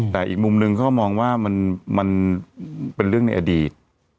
แต่อีกมุมนึงเขามองว่ามันเป็นเรื่องในอดีต